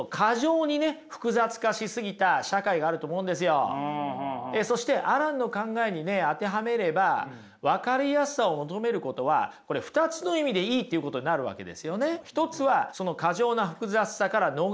私はその若い人たちが今ねそしてアランの考えにね当てはめれば分かりやすさを求めることは２つの意味でいいっていうことになるわけですよね。